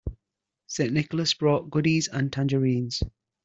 St. Nicholas brought goodies and tangerines.